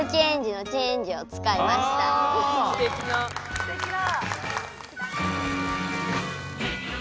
すてきだ！